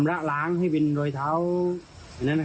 และก็คือว่าถึงแม้วันนี้จะพบรอยเท้าเสียแป้งจริงไหม